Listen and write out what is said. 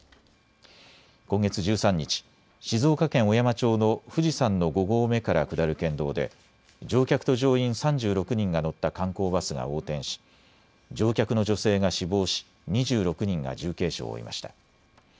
今月１３日、静岡県小山町の富士山の５合目から下る県道で乗客と乗員３６人が乗った観光バスが横転し乗客の女性が死亡し２６人が重軽傷を負いました。